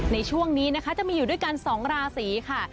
ในช่วงนี้นะคะจะมีอยู่ด้วยกัน๒ราศีค่ะ